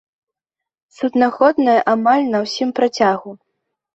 Суднаходная амаль на ўсім працягу.